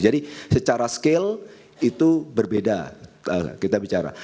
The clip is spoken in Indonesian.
jadi secara skill itu berbeda kita bicara